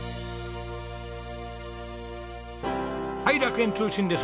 はい楽園通信です。